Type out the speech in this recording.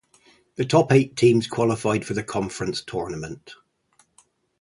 The top eight teams qualified for the conference tournament.